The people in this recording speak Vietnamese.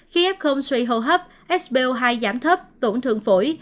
khi ép không suy hồ hấp sbo hai giảm thấp tổn thường phổi